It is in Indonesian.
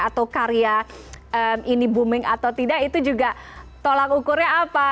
atau karya ini booming atau tidak itu juga tolak ukurnya apa